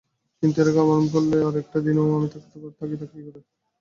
কিন্তু তুমি এরকম আরম্ভ করলে আর একটা দিনও আমি থাকি কী করে?